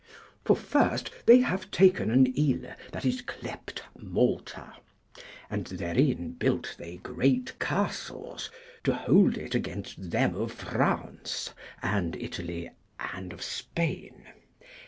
For first they have taken an Yle that is clept Malta; and therein built they great castles, to hold it against them of Fraunce, and Italy, and of Spain.